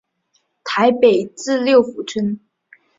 台北至六福村。